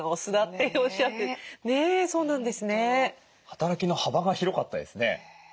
働きの幅が広かったですね。